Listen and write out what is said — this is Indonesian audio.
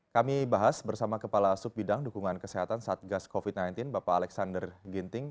kami bahas bersama kepala sub bidang dukungan kesehatan satgas covid sembilan belas bapak alexander ginting